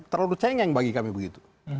terlalu cengeng bagi kami begitu